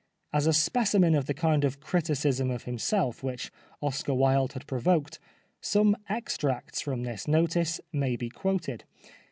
As a specimen of the kind of criticism of himself, which Oscar Wilde had provoked, some extracts from this notice may be quoted.